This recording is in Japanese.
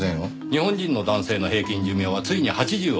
日本人の男性の平均寿命はついに８０を超えました。